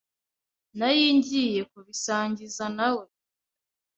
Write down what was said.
Nari ngiye kubisangiza nawe.